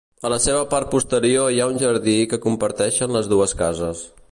A la seva part posterior hi ha un jardí que comparteixen les dues cases.